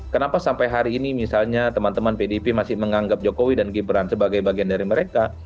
kenapa sampai hari ini misalnya teman teman pdip masih menganggap jokowi dan gibran sebagai bagian dari mereka